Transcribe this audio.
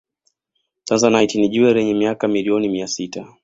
Tanzanite ni jiwe lenye miaka milioni mia sita